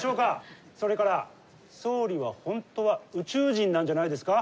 それから総理は本当は宇宙人なんじゃないですか？